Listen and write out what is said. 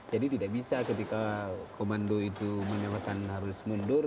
jadi tidak bisa ketika komando itu menyebabkan harus mundur